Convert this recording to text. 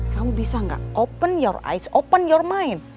kamu bisa gak open your eyes open your mind